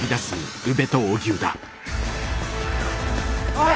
おい！